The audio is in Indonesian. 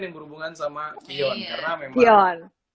yang berhubungan sama kion karena memang